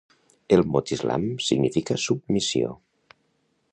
El mot islam significa submissió